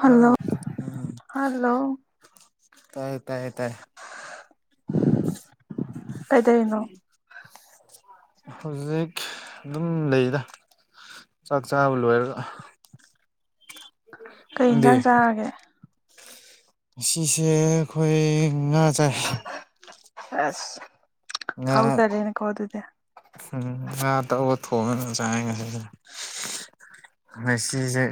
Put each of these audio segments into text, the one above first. hello hello ꯇꯥꯏ ꯇꯥꯏꯌꯦ ꯀꯗꯧꯔꯤꯅꯣ ꯍꯧꯖꯤꯛ ꯑꯗꯨꯝ ꯂꯩꯗ ꯆꯥꯛꯆꯥꯕꯨ ꯂꯣꯏꯔꯒ ꯀꯩ ꯅꯪꯗꯤ ꯏꯟꯁꯥꯡ ꯆꯥꯔꯒꯦ ꯉꯁꯤꯁꯦ ꯑꯩꯈꯣꯏ ꯉꯥ ꯆꯥꯏ ꯑꯁ ꯍꯥꯎꯗꯔꯦꯅꯦ ꯀꯣ ꯑꯗꯨꯗꯤ ꯎꯝ ꯉꯥ ꯑꯇꯥꯎꯕ ꯊꯣꯡꯉꯒ ꯆꯥꯏ ꯉꯁꯤ ꯉꯥꯁꯤꯖꯦ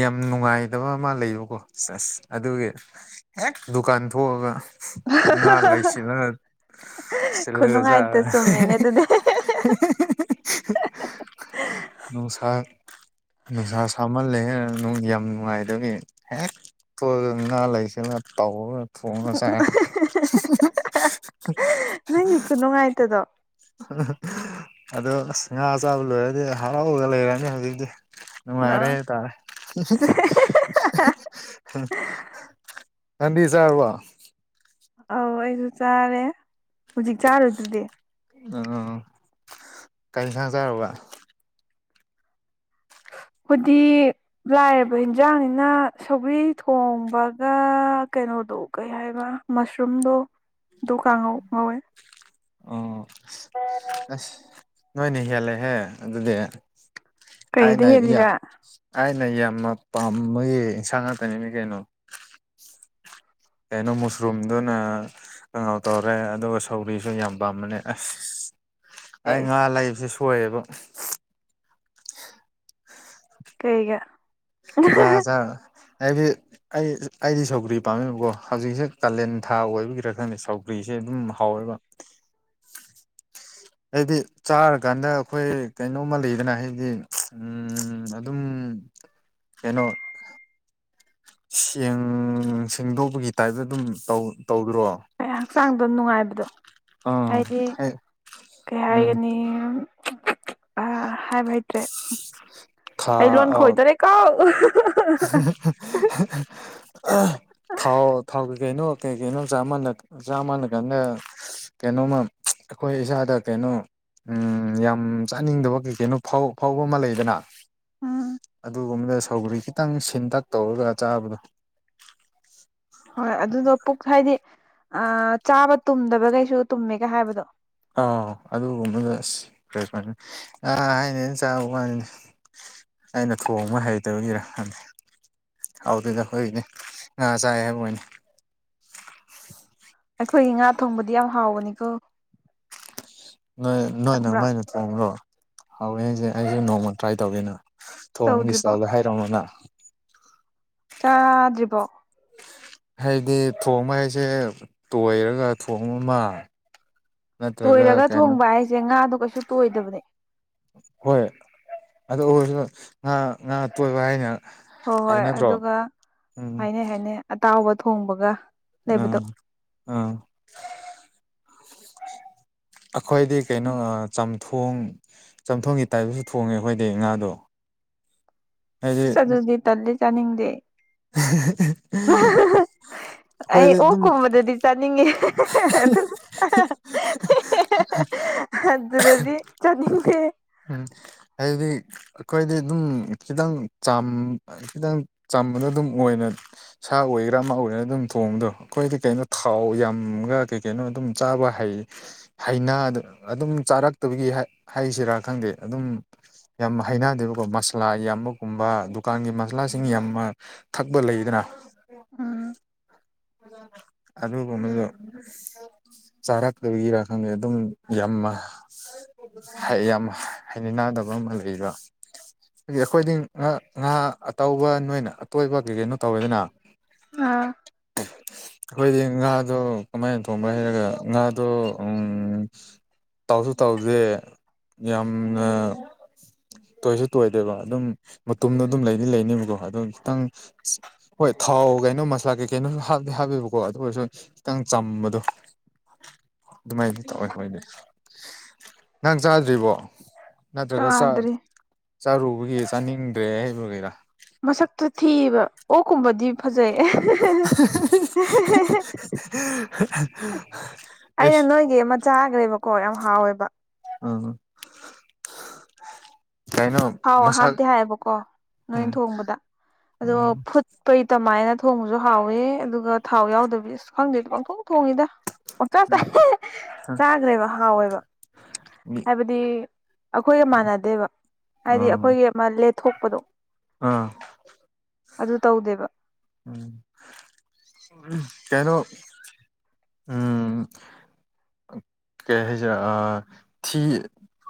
ꯌꯥꯝ ꯅꯨꯡꯉꯥꯏꯇꯕ ꯑꯃ ꯂꯩꯕꯀꯣ ꯑꯁ ꯑꯗꯨꯒꯤ ꯗꯨꯀꯥꯟ ꯊꯣꯛꯑꯒ ꯉꯥ ꯂꯩꯁꯤꯅꯅ ꯁꯤꯜꯂꯒ ꯆꯥ ꯈꯨꯅꯨꯡꯉꯥꯏꯇ ꯆꯨꯝꯃꯤꯅꯦ ꯑꯗꯨꯗꯤ [unintelligible] ꯅꯨꯡꯁꯥ ꯅꯨꯡꯁꯥ ꯁꯥꯃꯜꯂꯦꯍꯦ ꯅꯨꯡ ꯌꯥꯝ ꯅꯨꯡꯉꯥꯏꯗꯕꯤ ꯍꯦꯛ ꯉꯥ ꯂꯩꯁꯤꯅ ꯄꯥꯎ ꯐꯣꯡꯅ ꯆꯥꯏ [unintelligible] [unintelligible] ꯈꯨꯅꯨꯡꯉꯥꯏꯇꯗꯣ ꯑꯗꯣ ꯑꯁ ꯉꯥ ꯆꯥꯕ ꯂꯣꯏꯔꯗꯤ ꯍꯔꯥꯎꯒ ꯂꯩꯔꯅꯤ ꯍꯧꯖꯤꯛꯇꯤ ꯑ ꯅꯨꯡꯉꯥꯏꯔꯦ ꯇꯥꯔꯦ [unintelligible] ꯅꯪꯗꯤ ꯆꯥꯔꯕꯣ ꯑꯧ ꯑꯩꯁꯨ ꯆꯥꯔꯦ ꯍꯧꯖꯤꯛ ꯆꯥꯔꯨꯗꯨꯅꯦ ꯎ ꯀꯔꯤ ꯏꯟꯁꯥꯡ ꯆꯥꯔꯕ [inaudible] [inaudible] ꯈꯣꯏꯗꯤ ꯂꯥꯏꯔꯕ ꯏꯟꯖꯥꯡꯅꯤꯅ ꯁꯧꯒꯔꯤ ꯊꯣꯡꯕꯒ ꯀꯩꯅꯣ ꯑ ꯀꯩ ꯍꯥꯏꯕ ꯃꯁꯔꯨꯝꯗꯣ ꯣꯀꯉꯧ ꯉꯧꯋꯦ ꯑꯣ ꯑꯁ ꯑꯁ ꯅꯣꯏꯅꯦ ꯍꯦꯜꯂꯦꯍꯦ ꯑꯗꯨꯗꯤ ꯀꯩꯗ ꯍꯥꯏꯅ ꯌꯥ ꯍꯦꯜꯂꯤꯕ ꯑꯩꯅ ꯌꯥꯝꯅ ꯄꯥꯝꯕꯒꯤ ꯑꯦꯟꯁꯥꯡ ꯉꯥꯛꯇꯅꯤꯅꯦ ꯀꯩꯅꯣ ꯀꯩꯅꯣ ꯃꯨꯁꯔꯨꯝꯗꯨꯅ ꯀꯩꯅꯧ ꯇꯧꯔꯦ ꯑꯗꯨꯒ ꯁꯧꯒꯔꯤꯁꯨ ꯌꯥꯝ ꯄꯥꯝꯕꯅꯦ ꯑꯁ ꯑꯩ ꯉꯥ ꯑꯦꯁ ꯂꯩꯕꯁꯤ ꯁꯣꯏꯌꯦꯕ ꯀꯩꯒꯤ ꯉꯥ ꯆꯥꯔ ꯍꯥꯏꯗꯤ ꯑꯩ ꯑꯩꯗꯤ ꯁꯧꯒ꯭ꯔꯤ ꯄꯥꯝꯃꯤꯕꯀꯣ ꯍꯧꯖꯤꯛꯁꯦ ꯀꯥꯂꯦꯟ ꯊꯥ ꯑꯣꯏꯕꯒꯤꯔꯥ ꯈꯪꯗꯦ ꯁꯧꯒ꯭ꯔꯤꯁꯦ ꯑꯗꯨꯝ ꯍꯥꯎꯑꯦꯕ ꯍꯥꯏꯗꯤ ꯆꯥꯔꯀꯥꯟꯗ ꯑꯈꯣꯏ ꯀꯩꯅꯣꯝꯃ ꯂꯩꯗꯅ ꯍꯥꯏꯗꯤ ꯎꯝ ꯑꯗꯨꯝ ꯎꯝ ꯀꯩꯅꯣ ꯁꯦꯡ ꯁꯦꯡꯗꯣꯛꯄꯒꯤ ꯇꯥꯏꯞꯇ ꯑꯗꯨꯝ ꯇꯧ ꯇꯧꯗ꯭ꯔꯣ ꯍꯛꯆꯥꯡꯗꯣ ꯅꯨꯡꯉꯥꯏꯕꯗꯣ ꯑꯥ ꯍꯥꯏꯗꯤ ꯀꯩ ꯎꯝ ꯍꯥꯏꯒꯅꯤ ꯑꯥ ꯍꯥꯏꯕ ꯍꯩꯇ꯭ꯔꯦ ꯊꯥ ꯑꯩ ꯂꯣꯟ ꯑ ꯈꯣꯏꯗꯣꯔꯦꯀꯣ ꯊꯥꯎ ꯊꯥꯎ ꯀꯩꯅꯣ ꯀꯩꯀꯩꯅꯣ ꯆꯥꯃꯜ ꯆꯥꯝꯜ ꯀꯥꯟꯗ ꯀꯩꯅꯣꯝꯃꯥ ꯑꯈꯣꯏ ꯏꯁꯥꯗ ꯀꯩꯅꯣꯝꯃꯥ ꯎꯝ ꯌꯥꯝ ꯆꯥꯅꯤꯡꯗꯕ ꯀꯩ ꯀꯩꯅꯣ ꯐꯥꯎ ꯐꯥꯎꯕ ꯑꯃ ꯂꯩꯗꯅ ꯎꯝ ꯑꯗꯨꯒꯨꯝꯕꯗ ꯁꯧꯒꯔꯤ ꯈꯤꯇꯪ ꯁꯤꯟꯇꯛ ꯇꯧꯔꯒ ꯆꯥꯕꯗꯣ ꯍꯣꯏ ꯑꯗꯨꯗꯣ ꯄꯨꯛ ꯍꯥꯏꯗꯤ ꯑꯥ ꯆꯥꯕ ꯇꯨꯝꯗꯕ ꯒꯧꯁꯨ ꯇꯨꯝꯃꯦꯒ ꯍꯥꯏꯕꯗꯣ ꯑꯥꯎ ꯑꯗꯨꯒꯨꯝꯕꯗ ꯑꯁ ꯐꯔꯦꯟꯁ ꯑꯥ ꯍꯥꯏꯅꯩꯅ ꯆꯥꯕ ꯋꯥꯅꯤꯅꯦ ꯑꯩꯅ ꯊꯣꯡꯕ ꯍꯩꯇꯕꯒꯤꯔꯥ ꯈꯪꯗꯦ ꯍꯥꯎꯗꯦꯗ ꯑꯈꯣꯏꯒꯤꯗꯤ ꯉꯥ ꯆꯥꯏ ꯍꯥꯏꯕꯋꯥꯅꯤ ꯑꯈꯣꯏꯒꯤ ꯉꯥ ꯊꯣꯡꯕꯗꯤ ꯌꯥꯝ ꯍꯥꯎꯕꯅꯤꯀꯣ ꯅꯣꯏ ꯅꯣꯏ ꯈꯪꯕ꯭ꯔꯥ ꯅꯃꯥꯏꯅ ꯊꯣꯡꯕꯔꯣ ꯍꯧꯋꯦ ꯍꯥꯏꯁꯦ ꯑꯩꯁꯨ ꯅꯣꯡꯃ ꯇ꯭ꯔꯥꯏ ꯇꯧꯒꯦꯅ ꯊꯣꯡꯕꯒꯤ ꯇꯧꯗ꯭ꯔꯤꯕꯣ ꯏꯁꯇꯥꯜꯗ ꯍꯥꯏꯔꯛꯑꯣꯅ ꯆꯥꯗꯔꯤꯕꯣ ꯍꯥꯏꯗꯤ ꯊꯣꯡꯕ ꯍꯥꯏꯁꯦ ꯇꯣꯏꯔꯒ ꯊꯣꯡꯕ ꯑꯃ ꯅꯠꯇ꯭ꯔꯒ ꯇꯣꯏꯔꯒ ꯀꯩꯅꯣ ꯊꯣꯡꯕ ꯍꯥꯏꯁꯦ ꯉꯥꯗꯣ ꯀꯩꯁꯨ ꯇꯣꯏꯗꯕꯅꯦ ꯍꯣꯏ ꯑꯗꯨ ꯑꯣꯏꯔꯁꯨ ꯉꯥ ꯉꯥ ꯑꯇꯣꯏꯕ ꯍꯥꯏꯅ ꯍꯣ ꯍꯣꯏ ꯍꯥꯏꯅꯗ꯭ꯔꯣ ꯑꯗꯨꯒ ꯎꯝ ꯍꯥꯏꯅꯩ ꯍꯥꯏꯅꯩ ꯑꯇꯥꯎꯕ ꯊꯣꯡꯕꯒ ꯂꯩꯕꯗꯣ ꯎꯝ ꯑꯥ ꯑꯈꯣꯏꯗꯤ ꯀꯩꯅꯣ ꯆꯝꯊꯣꯡ ꯆꯝꯊꯣꯡꯒꯤ ꯇꯥꯏꯞꯇꯁꯨ ꯊꯣꯡꯉꯦ ꯑꯈꯣꯏꯗꯤ ꯉꯥꯗꯣ ꯍꯥꯏꯗꯤ ꯑꯗꯨꯗꯤ ꯇꯜꯂꯤ ꯆꯥꯅꯤꯡꯗꯦ [unintelligible] ꯑꯩ ꯑꯩꯈꯣꯏꯗꯤ ꯑꯣꯛ ꯑꯗꯨꯝ ꯀꯨꯝꯕꯗꯗꯤ ꯆꯥꯅꯤꯡꯉꯦ ꯑꯗꯨꯒ ꯑꯗꯨꯗꯗꯤ ꯆꯥꯅꯤꯡꯗꯦ ꯎꯝ ꯍꯥꯏꯗꯤ ꯑꯈꯣꯏꯗꯤ ꯑꯗꯨꯝ ꯈꯤꯇꯪ ꯆꯝ ꯈꯤꯇꯪ ꯆꯝꯕꯗꯨ ꯗꯨꯝ ꯑꯣꯏꯅ ꯁꯥ ꯑꯣꯏꯒꯦꯔꯥ ꯑꯃ ꯑꯣꯏꯒꯦꯔꯥ ꯑꯗꯨꯝ ꯊꯣꯡꯕꯗꯣ ꯑꯈꯣꯏꯗꯤ ꯀꯩꯅꯣ ꯊꯥꯎ ꯌꯥꯝꯃꯒ ꯀꯩ ꯀꯩꯅꯣ ꯑꯗꯨꯝ ꯆꯥ ꯆꯥꯕ ꯍꯩ ꯍꯩꯅ ꯑꯗꯨꯝ ꯆꯥꯔꯛꯇꯕꯒꯤ ꯍꯥꯏ ꯍꯥꯏꯁꯤꯔꯥ ꯈꯪꯗꯦ ꯑꯗꯨꯝ ꯌꯥꯝ ꯍꯩꯅꯗꯦꯕꯀꯣ ꯃꯁꯂꯥ ꯌꯥꯝꯕꯒꯨꯝꯕ ꯗꯨꯀꯥꯟꯒꯤ ꯃꯁꯂꯥꯁꯤꯡ ꯌꯥꯝꯃ ꯊꯛꯄ ꯂꯩꯗꯅ ꯎꯝ ꯑꯗꯨꯒꯨꯝꯕꯗꯨ ꯆꯥꯔꯛꯇꯕꯒꯤꯔꯥ ꯈꯪꯗꯦ ꯑꯗꯨꯝ ꯌꯥꯝꯃ ꯍꯥꯏ ꯌꯥꯝ ꯍꯥꯏꯅꯤꯅꯥꯗꯕ ꯑꯃ ꯂꯩꯕ ꯑꯗꯤ ꯑꯩꯈꯣꯏꯗꯤ ꯉꯥ ꯉꯥ ꯑꯇꯧꯎꯕ ꯅꯣꯏꯅ ꯑꯇꯣꯏꯕ ꯀꯩ ꯀꯩꯅꯣ ꯇꯧꯋꯦꯗꯅ ꯑꯥ ꯑꯩꯈꯣꯏꯗꯤ ꯉꯥꯗꯣ ꯀꯃꯥꯏꯅ ꯊꯣꯡꯕꯔ ꯍꯥꯏꯔꯒ ꯉꯥꯗꯣ ꯎꯝ ꯇꯥꯎꯁꯨ ꯇꯥꯎꯗꯦ ꯌꯥꯝꯅ ꯇꯣꯏꯁꯨ ꯇꯣꯏꯗꯦꯕ ꯑꯗꯨꯝ ꯃꯇꯨꯝꯗꯣ ꯑꯗꯨꯝ ꯂꯩꯗꯤ ꯂꯩꯅꯦꯕꯀꯣ ꯑꯗꯨ ꯈꯤꯇꯪ ꯍꯣꯏ ꯊꯥꯎꯒꯩꯅꯣ ꯃꯁꯂꯥ ꯀꯩ ꯀꯩꯅꯣꯁꯨ ꯍꯥꯞꯇꯤ ꯍꯥꯞꯄꯦꯕꯀꯣ ꯑꯗꯨ ꯑꯣꯏꯔꯁꯨ ꯈꯤꯇꯪ ꯆꯝꯕꯗꯣ ꯑꯗꯨꯃꯥꯏꯅ ꯇꯧꯋꯦ ꯍꯣꯏꯗꯤ ꯅꯪ ꯆꯥꯗ꯭ꯔꯤꯕꯣ ꯅꯠꯇ꯭ꯔꯒ ꯆꯥ ꯆꯥꯗ꯭ꯔꯤ ꯆꯥꯔꯨꯕꯒꯤ ꯆꯥꯅꯤꯡꯗ꯭ꯔꯦ ꯍꯩꯕ ꯀꯔꯥ ꯃꯁꯛꯇꯨ ꯊꯤꯕ ꯑꯣꯛꯀꯨꯝꯕꯗꯤ ꯐꯖꯩ [unintelligible] ꯑꯩꯁ ꯂꯩꯕꯀꯣ ꯌꯥꯝ ꯍꯥꯎꯋꯦꯕ ꯑꯥ ꯊꯥꯎ ꯍꯥꯞꯇꯦ ꯍꯥꯏꯌꯦꯕꯀꯣ ꯅꯣꯏ ꯎꯝ ꯊꯣꯡꯕꯗ ꯑꯗꯣ ꯎꯝ ꯐꯨꯠꯄꯩꯇꯃꯥꯏꯅ ꯊꯣꯡꯕꯁꯨ ꯍꯥꯎꯋꯦ ꯑꯗꯨꯒ ꯊꯥꯎ ꯌꯥꯎꯗꯕꯤ ꯑꯁ ꯈꯪꯗꯦꯗꯨꯝ ꯄꯪꯊꯣꯡ ꯊꯣꯡꯉꯤꯗ ꯄꯪꯆꯥ ꯆꯥꯍꯦ ꯆꯥꯈ꯭ꯔꯦꯕ ꯍꯥꯎꯋꯦꯕ ꯎꯝ ꯍꯥꯏꯕꯗꯤ ꯑꯩꯈꯣꯏꯒ ꯃꯥꯟꯅꯗꯦꯕ ꯍꯥꯏꯗꯤ ꯑꯥ ꯑꯩꯈꯣꯏꯒꯤ ꯃ ꯂꯦ ꯊꯣꯛꯄꯗꯣ ꯑꯥ ꯑꯗꯨ ꯇꯧꯗꯦꯕ ꯎꯝ ꯀꯩꯅꯣ ꯎꯝ ꯀꯩ ꯍꯩꯖꯦꯔ ꯑꯥ ꯊꯤ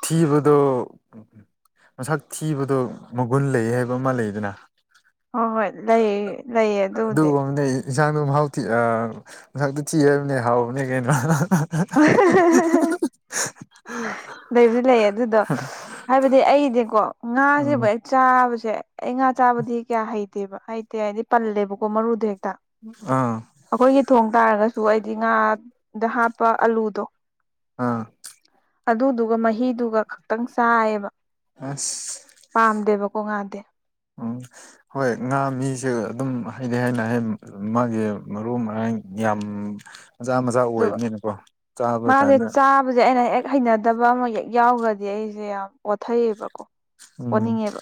ꯊꯤꯕꯗꯣ ꯃꯁꯛ ꯊꯤꯕꯗꯣ ꯃꯒꯨꯟ ꯂꯩꯌꯦ ꯍꯩꯕ ꯑꯃ ꯂꯩꯗꯅ ꯍꯣ ꯍꯣꯏ ꯂꯩꯏ ꯂꯩꯌꯦ ꯑꯗꯨꯕꯨꯗꯤ ꯑꯗꯣ ꯃꯍꯥꯎꯊꯤ ꯑ ꯃꯁꯛꯇꯤ ꯊꯤ ꯍꯥꯏꯕꯅꯦ ꯍꯥꯎꯕꯅꯦ ꯀꯩꯅꯣ ꯑꯍ ꯑꯍ [unintelligible] ꯂꯩꯕꯨꯗꯤ ꯂꯩꯑꯦ ꯑꯗꯨꯗꯣ ꯍꯥꯏꯕꯗꯤ ꯑꯩꯗꯤꯀꯣ ꯎꯝ ꯉꯥꯁꯦꯕꯨ ꯍꯦꯛ ꯆꯥꯕꯁꯤ ꯁꯦ ꯑꯩ ꯉꯥ ꯆꯥꯕꯗꯤ ꯀꯌꯥ ꯍꯩꯇꯦꯕ ꯍꯩꯇꯦ ꯍꯥꯏꯗꯤ ꯄꯜꯂꯦꯕꯀꯣ ꯃꯔꯨꯗ ꯍꯦꯛ ꯇ ꯑꯥ ꯑꯩꯈꯣꯏꯒꯤ ꯊꯣꯡ ꯇꯥꯔꯒꯁꯨ ꯑꯩꯗꯤ ꯉꯥꯗ ꯍꯥꯞ ꯄ ꯑꯂꯨꯗꯣ ꯑꯥ ꯑꯗꯨꯗꯨꯒ ꯃꯍꯤꯗꯨꯒ ꯈꯛꯇꯪ ꯆꯥꯏꯑꯦꯕ ꯑꯁ ꯄꯥꯝꯗꯦꯕꯀꯣ ꯉꯥꯗꯤ ꯎꯝ ꯍꯣꯏ ꯉꯥ ꯃꯤꯖꯦ ꯑꯗꯨꯝ ꯍꯩꯅꯩ ꯅꯥꯏꯍꯦꯟ ꯃꯥꯒꯤ ꯃꯔꯨ ꯃꯔꯥꯡ ꯌꯥꯝ ꯃꯖꯥ ꯃꯖꯥ ꯑꯗꯨ ꯑꯣꯏꯕꯅꯤꯅꯀꯣ ꯆꯥꯕ ꯃꯥꯁꯦ ꯀꯥꯟꯗ ꯆꯥꯕꯁꯦ ꯑꯩꯅ ꯍꯦꯛ ꯍꯩꯅꯗꯕ ꯑꯃ ꯍꯦꯛ ꯌꯥꯎꯈ꯭ꯔꯗꯤ ꯑꯩꯁꯦ ꯌꯥꯝ ꯑꯣꯠꯊꯩꯑꯦꯕꯀꯣ ꯎꯝ ꯑꯣꯅꯤꯡꯉꯦꯕ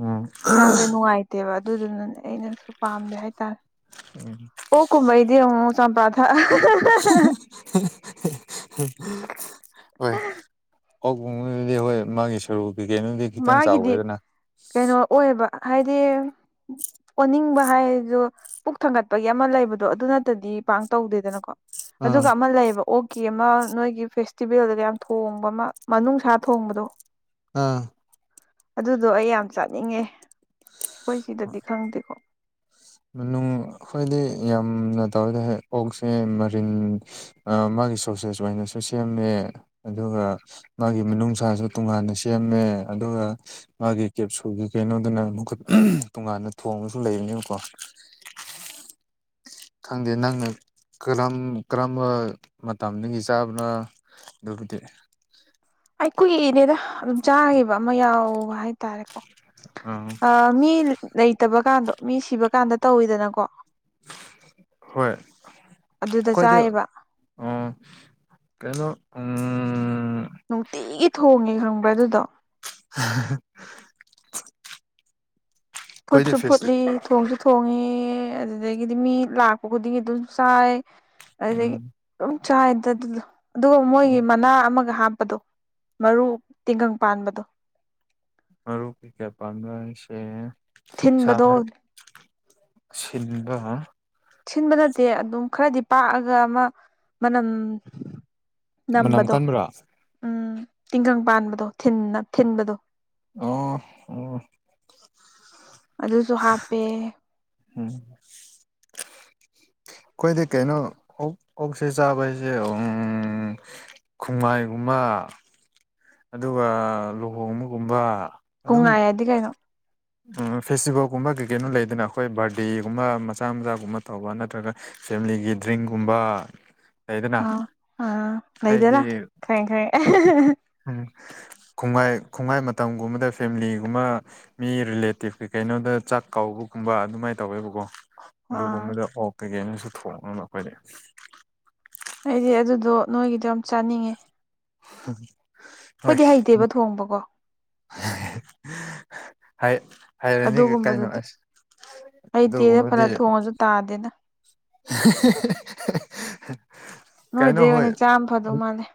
ꯎꯝ ꯏꯁꯥꯁꯦ ꯅꯨꯡꯉꯥꯏꯇꯦꯕ ꯑꯗꯨꯗꯨꯅꯅꯦ ꯑꯩꯅꯖꯨ ꯄꯥꯝꯗꯦ ꯍꯥꯏꯇꯥꯔꯦ ꯎꯝ ꯑꯣꯛ ꯀꯨꯝꯕꯩꯗꯤ ꯑꯃꯨꯛ ꯆꯝꯄꯥ ꯊꯛꯑ ꯍꯣꯏ ꯑꯣꯛꯀꯨꯝꯕꯗꯨꯗꯤ ꯍꯣꯏ ꯃꯥꯒꯤ ꯁꯔꯨ ꯀꯩꯀꯩꯅꯣꯗꯤ ꯈꯤꯇꯪ ꯃꯥꯒꯤꯗꯤ ꯆꯥꯎꯋꯦꯗꯅ ꯀꯩꯅꯣ ꯑꯣꯏꯑꯦꯕ ꯍꯥꯏꯗꯤ ꯑꯣꯅꯤꯡꯕ ꯍꯥꯏꯔꯖꯨ ꯄꯨꯛ ꯊꯪꯒꯠꯄꯒꯤ ꯑꯃ ꯂꯩꯕꯗꯣ ꯑꯗꯨ ꯅꯠꯇꯗꯤ ꯄꯥꯛꯅ ꯇꯧꯗꯦꯗꯅꯀꯣ ꯑꯥ ꯑꯗꯨꯒ ꯑꯃ ꯂꯩꯌꯦꯕ ꯑꯣ ꯑꯣꯛꯀꯤ ꯑꯃ ꯅꯣꯏꯒꯤ ꯐꯦꯁꯇꯤꯚꯦꯜꯗꯒ ꯌꯥꯝ ꯊꯣꯡꯕ ꯑꯃ ꯃꯅꯨꯡꯁꯥ ꯊꯣꯡꯕꯗꯣ ꯑꯥ ꯑꯗꯨꯗꯣ ꯑꯩ ꯌꯥꯝ ꯆꯥꯅꯤꯡꯉꯦ ꯑꯩꯈꯣꯏ ꯁꯤꯗꯗꯤ ꯈꯪꯗꯦꯀꯣ ꯃꯅꯨꯡ ꯑꯈꯣꯏꯗꯤ ꯌꯥꯝꯅ ꯇꯧꯗꯦꯍꯦ ꯑꯣꯛꯁꯦ ꯃꯔꯤꯟ ꯑꯃ ꯃꯥꯒꯤ ꯁꯣꯁꯦꯁ ꯑꯣꯏꯅꯁꯨ ꯁꯦꯝꯃꯦ ꯑꯗꯨꯒ ꯃꯥꯒꯤ ꯃꯅꯨꯡꯁꯥꯁꯨ ꯇꯣꯉꯥꯟꯅ ꯁꯦꯝꯃꯦ ꯑꯗꯨꯒ ꯃꯥꯒꯤ ꯀꯦꯞꯁꯨꯜꯒꯤ ꯀꯩꯅꯣꯗꯨꯅ ꯑꯃꯨꯛꯀ ꯎꯝ ꯇꯣꯉꯥꯟꯅ ꯊꯣꯡꯉꯁꯨ ꯂꯩꯕꯅꯦꯀꯣ [inaudible] ꯈꯪꯗꯦ ꯅꯪꯅ ꯀꯔꯝ ꯀꯔꯝꯕ ꯃꯇꯝꯗꯒꯤ ꯆꯥꯕꯔꯥ ꯑꯗꯨꯕꯨꯗꯤ ꯑꯩ ꯀꯨꯏꯔꯦꯗ ꯎꯝ ꯆꯥꯒꯤꯕ ꯑꯃ ꯌꯥꯎꯕ ꯍꯥꯏꯇꯥꯔꯦꯀꯣ ꯑꯥ ꯃꯤ ꯂꯩꯇꯕ ꯀꯥꯟꯗꯣ ꯃꯤ ꯁꯤꯕ ꯀꯥꯟꯗ ꯇꯧꯋꯤꯗꯅꯀꯣ ꯍꯣꯏ ꯑꯗꯨꯗ ꯈꯣꯏꯗꯤ ꯆꯥꯏꯌꯦꯕ ꯎꯝ ꯀꯩꯅꯣ ꯎꯝ ꯅꯨꯡꯇꯤꯒꯤ ꯊꯣꯡꯉꯦ ꯈꯪꯕ꯭ꯔꯥ ꯑꯗꯨꯗꯣ [unintelligible] ꯑꯩꯈꯣꯏꯗꯤ ꯐꯨꯠꯁꯨ ꯐꯦꯁ ꯐꯨꯠꯂꯤ ꯊꯣꯡꯁꯨ ꯊꯣꯡꯉꯤ ꯉꯤ ꯑꯗꯨꯗꯒꯤꯗꯤ ꯃꯤ ꯂꯥꯛꯄ ꯈꯨꯗꯤꯡꯒꯤ ꯑꯗꯨꯝ ꯆꯥꯏ ꯑꯗꯒꯤ ꯎꯝ ꯑꯗꯨꯝ ꯆꯥꯏꯗ ꯑꯗꯨꯗꯣ ꯑꯗꯨꯒ ꯃꯣꯏꯒꯤ ꯎꯝ ꯃꯅꯥ ꯑꯃ ꯍꯥꯞꯄꯗꯣ ꯃꯔꯨ ꯇꯤꯡꯒꯪ ꯄꯥꯟꯕꯗꯣ ꯃꯔꯨ ꯀꯩꯀꯩ ꯄꯥꯟꯕꯥ ꯍꯥꯏꯁꯦ ꯁꯥ ꯊꯤꯟꯕꯗꯣ ꯃꯔꯨꯝ ꯁꯤꯟꯕ ꯁꯤꯟꯕ ꯅꯠꯇꯦ ꯑꯗꯨꯝ ꯈꯔꯗꯤ ꯄꯥꯛꯑꯒ ꯑꯃ ꯃꯅꯝ ꯃꯅꯝ ꯀꯟꯕ꯭ꯔꯥ ꯇꯤꯟꯒꯪ ꯄꯥꯟꯕꯗꯣ ꯊꯤꯟꯅ ꯊꯤꯟꯕꯗꯣ ꯑꯣ ꯑꯣ ꯑꯗꯨꯁꯨ ꯍꯥꯞꯄꯦ ꯎꯝ [inaudible] ꯑꯈꯣꯏꯗꯤ ꯀꯩꯅꯣ ꯑꯣꯛ ꯑꯣꯛꯁꯦ ꯆꯥꯕ ꯍꯥꯏꯖꯦ ꯎꯝ ꯈꯨꯡꯃꯥꯏꯒꯨꯝꯕ ꯑꯗꯨꯒ ꯂꯨꯍꯣꯡꯕꯒꯨꯝꯕ ꯑꯗꯨꯝ ꯈꯨꯡꯉꯥꯏ ꯑꯗꯤ ꯀꯩꯅꯣ ꯎꯝ ꯐꯦꯁꯇꯤꯚꯦꯜꯒꯨꯝꯕ ꯀꯩ ꯀꯩꯅꯣ ꯂꯩꯗꯅ ꯑꯈꯣꯏ ꯕꯥꯔꯗꯦꯒꯨꯝꯕ ꯃꯆꯥ ꯃꯆꯥꯒꯨꯝꯕ ꯇꯧꯕ ꯅꯠꯇ꯭ꯔꯒ ꯐꯦꯃꯤꯂꯤꯒꯤ ꯗ꯭ꯔꯤꯡꯒꯨꯝꯕ ꯂꯩꯗꯅ ꯑꯥ ꯑꯥ ꯍꯥꯏꯗꯤ ꯂꯩꯗꯅꯥ ꯈꯪꯉꯦ ꯈꯪꯉꯦ [unintelligible] ꯎꯝ ꯈꯨꯡꯉꯥꯏ ꯈꯨꯡꯉꯥꯏ ꯃꯇꯝꯒꯨꯝꯕꯗ ꯐꯦꯃꯤꯂꯤꯒꯨꯝꯕ ꯃꯤ ꯔꯤꯂꯦꯇꯤꯞ ꯀꯩꯀꯩ ꯀꯩꯅꯣꯗ ꯆꯥꯛ ꯀꯧꯕꯒꯨꯝꯕ ꯑꯗꯨꯃꯥꯏ ꯇꯧꯋꯦꯕꯀꯣ ꯑꯥ ꯑꯗꯨꯒꯨꯝꯕꯗꯣ ꯑꯣꯛ ꯀꯩꯀꯩꯅꯣꯁꯨ ꯊꯣꯡꯉꯦꯕ ꯑꯈꯣꯏꯗꯤ ꯑꯩꯗꯤ ꯑꯗꯨꯗꯣ ꯅꯣꯏꯒꯤꯗꯣ ꯌꯥꯝ ꯆꯥꯅꯤꯡꯉꯦ [unintelligible] ꯍꯣꯏ ꯑꯩꯈꯣꯏꯗꯤ ꯎꯝ ꯍꯩꯇꯦꯕ ꯊꯣꯡꯕꯀꯣ [unintelligible] ꯍꯥꯏ ꯍꯩꯔꯅꯤꯒ ꯀꯩꯅꯣ ꯑꯗꯨꯒꯨꯝꯕꯗꯨꯗꯤ ꯑꯁ ꯍꯩꯇꯦꯗ ꯐꯅ ꯑꯗꯨꯒꯨꯝꯕꯗꯤ ꯊꯣꯡꯉꯁꯨ ꯇꯥꯗꯦꯅ [unintelligible] ꯀꯩꯅꯣ ꯅꯣꯏꯗꯩ ꯍꯣꯏ ꯑꯣꯏꯅ ꯆꯥꯝ ꯐꯗꯧ ꯃꯥꯜꯂꯦ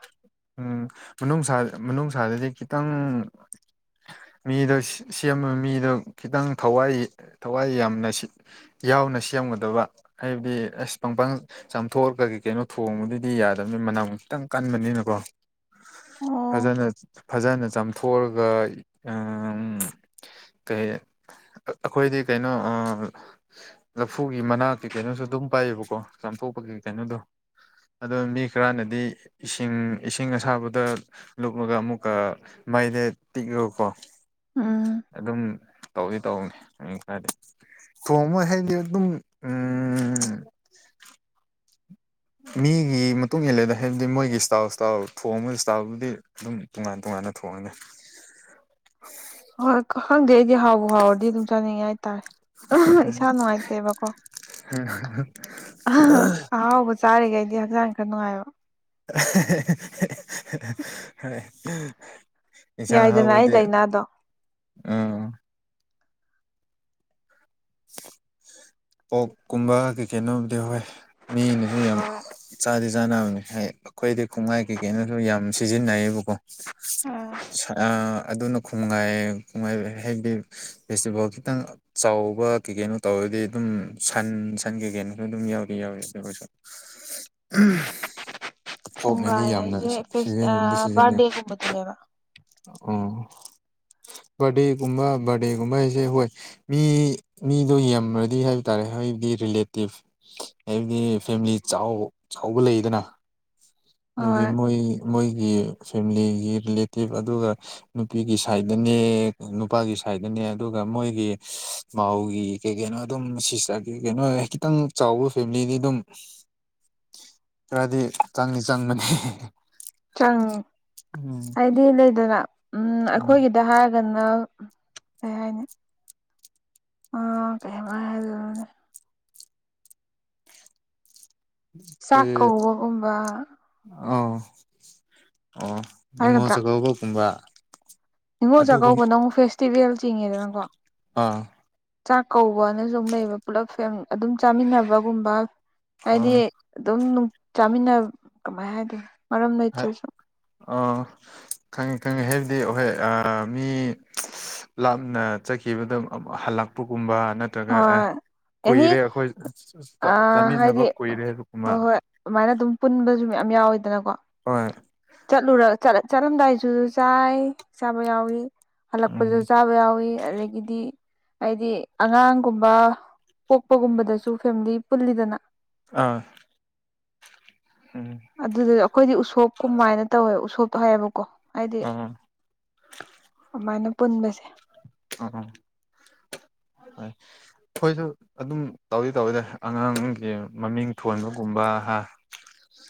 ꯎꯝ ꯃꯅꯨꯡꯁꯥ ꯃꯅꯨꯡꯁꯥꯗꯗꯤ ꯈꯤꯇꯪ ꯃꯤꯗꯣ ꯁꯤ ꯁꯦꯝꯕ ꯃꯤꯗꯣ ꯈꯤꯇꯪ ꯊꯋꯥꯏ ꯊꯋꯥꯏ ꯌꯥꯝꯅ ꯁꯤ ꯌꯥꯎꯅ ꯁꯦꯝꯒꯗꯕ ꯍꯥꯏꯕꯗꯤ ꯑꯁ ꯄꯪꯄꯪ ꯆꯥꯝꯊꯣꯛꯑꯒ ꯀꯩ ꯀꯩꯅꯣ ꯊꯣꯡꯕꯗꯨꯗꯤ ꯌꯥꯗꯕꯅꯤꯅ ꯃꯅꯝ ꯈꯤꯇꯪ ꯀꯟꯕꯅꯤꯅꯀꯣ ꯑꯣ ꯐꯖꯅ ꯐꯖꯅ ꯆꯝ ꯐꯣꯔꯒ ꯑꯎꯝ ꯀꯩ ꯑꯩꯈꯣꯏꯗꯤ ꯀꯩꯅꯣ ꯑꯥ ꯂꯐꯨꯒꯤ ꯃꯅꯥꯀꯤ ꯀꯩꯅꯣꯁꯨ ꯑꯗꯨꯝ ꯄꯥꯏꯌꯦꯕꯀꯣ ꯆꯥꯝꯊꯣꯛꯄꯒꯤ ꯀꯩꯅꯣꯗꯣ ꯑꯗꯣ ꯃꯤ ꯈꯔꯅꯗꯤ ꯏꯁꯤꯡ ꯏꯁꯤꯡ ꯑꯁꯥꯕꯗ ꯂꯨꯞꯂꯒ ꯑꯃꯨꯛꯀ ꯃꯩꯗ ꯇꯤꯛꯔꯀꯣ ꯎꯝ ꯑꯗꯨꯝ ꯇꯧꯗꯤ ꯇꯧꯕꯅꯤ ꯃꯤ ꯈꯔꯗꯤ ꯊꯣꯡꯕ ꯍꯥꯏꯗꯤ ꯑꯗꯨꯝ ꯎꯝ ꯃꯤꯒꯤ ꯃꯇꯨꯡ ꯏꯜꯂꯦꯗ ꯍꯥꯏꯕꯗꯤ ꯃꯣꯏꯒꯤ ꯏꯁꯇꯥꯥꯏꯜ ꯏꯁꯇꯥꯥꯏꯜ ꯊꯣꯡꯕ ꯏꯁꯇꯥꯥꯏꯜꯗꯨꯗꯤ ꯑꯗꯨꯝ ꯇꯣꯉꯥꯟ ꯇꯣꯉꯥꯟ ꯐꯅ ꯊꯣꯡꯉꯦꯅꯦ [inaudible] ꯍꯣꯏ ꯈꯪꯗꯦ ꯑꯩꯗꯤ ꯍꯥꯎꯕꯨ ꯍꯥꯎꯔꯗꯤ ꯑꯗꯨꯝ ꯆꯥꯅꯤꯡꯉꯦ ꯍꯥꯏꯇꯥꯔꯦ ꯏꯁꯥ ꯅꯨꯡꯉꯥꯏꯇꯦꯕꯀꯣ [unintelligible] ꯑꯍꯥꯎꯕ ꯆꯥꯔꯤꯈꯩꯗꯤ ꯍꯛꯆꯥꯡ ꯈꯔ ꯅꯨꯡꯉꯥꯏꯕ [unintelligible] ꯏꯟꯁꯥꯡ ꯌꯥꯏꯗꯅ ꯑꯩ ꯑꯍꯥꯎꯕꯗꯤ ꯂꯥꯏꯅꯥꯗꯣ ꯎꯝ ꯄꯣꯛꯀꯨꯝꯕ ꯀꯩ ꯀꯩꯅꯣꯕꯨꯗꯤ ꯍꯥꯎꯋꯦ ꯃꯤꯅꯁꯨ ꯌꯥꯝ ꯆꯥꯗꯤ ꯆꯥꯅꯕꯅꯦ ꯍꯥꯏ ꯑꯩꯈꯣꯏꯗꯤ ꯈꯨꯡꯒꯥꯏ ꯀꯩꯀꯩꯅꯣꯁꯨ ꯌꯥꯝ ꯁꯤꯖꯤꯟꯅꯩꯌꯦꯕꯀꯣ ꯁ ꯑ ꯑꯗꯨꯅꯦ ꯈꯨꯅꯨꯡꯉꯥꯏꯌꯦ ꯍꯥꯏꯕꯗꯤ ꯐꯦꯁꯇꯤꯚꯦꯜ ꯈꯤꯇꯪ ꯆꯥꯎꯕ ꯀꯩ ꯀꯩꯅꯣ ꯇꯧꯔꯗꯤ ꯑꯗꯨꯝ ꯁꯟ ꯁꯟ ꯀꯩ ꯀꯩꯅꯣꯁꯨ ꯑꯗꯨꯝ ꯌꯥꯎꯗꯤ ꯌꯥꯎꯌꯦ ꯑꯗꯨ ꯑꯩꯈꯣꯏꯁꯨ [unintelligible] ꯀꯣꯛꯅꯗꯤ ꯀꯣꯡꯒꯥꯏ ꯌꯥꯝꯅ ꯁꯤ ꯍꯥꯏꯁꯦ ꯁꯤꯖꯤꯅꯗꯤ ꯁꯤꯖꯟꯅꯩ ꯕꯥꯔꯗꯦꯒꯨꯝꯕꯗꯅꯦꯕ ꯑꯣ ꯕꯥꯔꯗꯦꯒꯨꯝꯕ ꯕꯥꯔꯗꯦꯒꯨꯝꯕ ꯍꯥꯏꯁꯦ ꯍꯣꯏ ꯃꯤ ꯃꯤꯗꯣ ꯌꯥꯝꯔꯗꯤ ꯍꯥꯏꯕ ꯇꯥꯔꯦ ꯑꯩꯗꯤ ꯔꯤꯂꯦꯇꯤꯞ ꯍꯥꯏꯕꯗꯤ ꯐꯦꯃꯤꯂꯤ ꯆꯥꯎ ꯆꯥꯎꯕ ꯂꯩꯗꯅ ꯍꯥꯏꯕꯗꯤ ꯍꯣꯏ ꯃꯣꯏ ꯃꯣꯏꯒꯤ ꯐꯦꯃꯤꯂꯤꯒꯤ ꯔꯤꯂꯦꯇꯤꯞ ꯑꯗꯨꯒ ꯅꯨꯄꯤꯒꯤ ꯁꯥꯏꯗꯅꯦ ꯅꯨꯄꯥꯒꯤ ꯁꯥꯏꯗꯅꯦ ꯑꯗꯨꯒ ꯃꯣꯏꯒꯤ ꯃꯥꯎꯒꯤ ꯀꯩ ꯀꯩꯅꯣ ꯑꯗꯨꯝ ꯁꯤꯁꯇꯒꯤ ꯀꯩꯅꯣ ꯈꯤꯇꯪ ꯆꯥꯎꯕ ꯐꯦꯃꯤꯂꯤꯗꯤ ꯑꯗꯨꯝ [inaudible] ꯈꯔꯗꯤ ꯆꯪꯗꯤ ꯆꯪꯕꯅꯦ ꯆꯪꯉꯦ ꯎꯝ ꯍꯥꯏꯗꯤ ꯂꯩꯗꯅ ꯎꯝ ꯑꯩꯈꯣꯏꯒꯤꯗ ꯍꯥꯏꯔ ꯒꯅ ꯀꯩ ꯍꯥꯏꯅꯤ ꯑ ꯀꯩ ꯍꯥꯏꯕ [unintelligible] ꯆꯥꯛ ꯀꯧꯕꯒꯨꯝꯕ ꯑꯥꯎ ꯑꯣ ꯅꯤꯉꯣꯜ ꯍꯥꯏꯒꯗ꯭ꯔꯥ ꯆꯥꯛꯀꯧꯕ ꯀꯨꯝꯕ꯭ꯔꯥ ꯅꯤꯡꯉꯣꯜ ꯆꯥꯛꯀꯧꯕꯅ ꯑꯃꯨꯛ ꯐꯦꯁꯇꯤꯚꯦꯜ ꯆꯤꯡꯉꯦꯗꯅꯀꯣ ꯑꯥ ꯆꯥꯛ ꯀꯧꯕꯅꯁꯨ ꯑꯝ ꯂꯩꯌꯦꯕ ꯄꯨꯂꯞ ꯐꯦꯝ ꯑꯗꯨꯝ ꯆꯥꯃꯤꯟꯅꯕꯒꯨꯝꯕ ꯍꯥꯏꯗꯤ ꯑꯥ ꯑꯗꯨꯝ ꯅꯨꯡ ꯆꯥꯃꯤꯟꯅꯞ ꯀꯃꯥꯏ ꯍꯥꯏꯗꯣꯏꯅꯣ ꯃꯔꯝ ꯂꯩꯇ꯭ꯔꯁꯨ ꯑꯥ ꯈꯪꯉꯦ ꯈꯪꯉꯦ ꯍꯥꯏꯕꯗꯤ ꯑꯍꯣꯏ ꯑꯥ ꯃꯤ ꯂꯥꯞꯅ ꯆꯠꯈꯤꯕꯗꯨ ꯑꯃꯨ ꯍꯜꯂꯛꯄꯒꯨꯝꯕ ꯅꯠꯇ꯭ꯔꯒ ꯑꯦ ꯍꯣꯏ ꯑꯦꯅꯤ ꯀꯨꯏꯔꯦ ꯑꯩꯈꯣꯏ ꯑꯥ ꯆꯥꯃꯤꯟꯅꯕ ꯍꯥꯏꯗꯤ ꯀꯨꯏꯔꯦ ꯍꯥꯏꯕꯒꯨꯝꯕ ꯍꯣꯏ ꯍꯣꯏ ꯑꯃꯥꯏꯅ ꯑꯗꯨꯝ ꯄꯨꯟꯕꯁꯨ ꯃꯌꯥꯝ ꯌꯥꯎꯋꯤꯗꯅꯀꯣ ꯍꯣꯏ ꯆꯠꯂꯨꯔ ꯆꯠ ꯆꯠꯂꯝꯗꯥꯏꯗꯨꯁꯨ ꯆꯥꯏ ꯆꯥꯕ ꯌꯥꯎꯋꯤ ꯎꯝ ꯍꯜꯂꯛꯄꯗꯁꯨ ꯆꯥꯕ ꯌꯥꯎꯋꯤ ꯑꯗꯒꯤꯗꯤ ꯍꯥꯏꯗꯤ ꯑꯉꯥꯡꯒꯨꯝꯕ ꯄꯣꯛꯄꯒꯨꯝꯕꯗꯁꯨ ꯐꯦꯃꯤꯂꯤ ꯄꯨꯜꯂꯤꯗꯅ ꯑꯥ ꯎꯝ ꯑꯗꯨꯗꯨꯗ ꯑꯩꯈꯣꯏꯗꯤ ꯎꯁꯣꯞ ꯀꯨꯃꯥꯏꯅ ꯇꯧꯋꯦ ꯎꯁꯣꯞꯇꯣ ꯍꯥꯏꯌꯦꯕꯀꯣ ꯍꯥꯏꯗꯤ ꯑꯥ ꯑꯃꯥꯏꯅ ꯄꯨꯟꯕꯁꯦ ꯑꯣ ꯑꯣ [inaudible] ꯍꯣꯏ ꯑꯩꯈꯣꯏꯁꯨ ꯑꯗꯨꯝ ꯇꯧꯗꯤ ꯇꯧꯋꯦꯗ ꯑꯉꯥꯡꯒꯤ ꯃꯃꯤꯡ ꯊꯣꯟꯕꯒꯨꯝꯕ ꯍꯥ [inaudible]